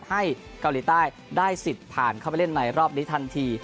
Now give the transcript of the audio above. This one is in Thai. ให้เกาหลีใต้ได้สิทธิ์ผ่านเข้าไปเล่นในรอบนี้ทันที